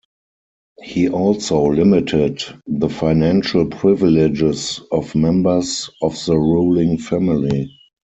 He also limited the financial privileges of members of the ruling family.